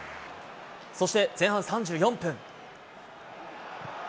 そして前半３４分。